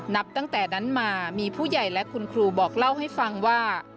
นับตั้งแต่นั้นมามีผู้ใหญ่และคุณครูบอกเล่าให้ฟังว่า